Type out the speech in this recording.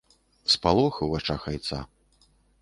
Спалох у вачах айца.